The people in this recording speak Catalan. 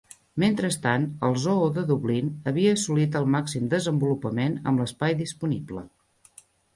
Mentrestant, el zoo de Dublin havia assolit el màxim desenvolupament amb l'espai disponible.